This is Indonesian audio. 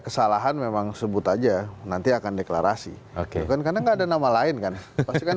kesalahan memang sebut aja nanti akan deklarasi oke kan karena enggak ada nama lain kan pasti kan